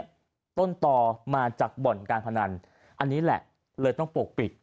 ต้นต่อมาจากบ่อนการพนันอันนี้แหละเลยต้องปกปิด